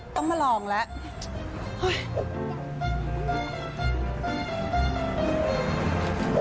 ต้องมาลองแล้วอุ้ย